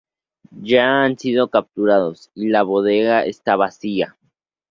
Ya han sido capturados y la bodega está vacía.